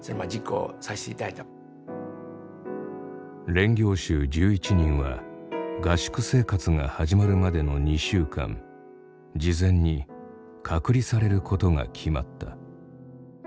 練行衆１１人は合宿生活が始まるまでの２週間事前に隔離されることが決まった。